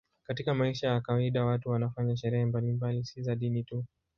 Katika maisha ya kawaida watu wanafanya sherehe mbalimbali, si za dini tu.